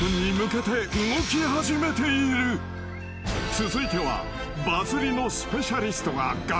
［続いては］